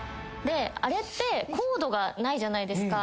あれってコードがないじゃないですか。